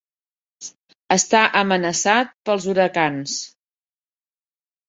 Està amenaçat pels huracans.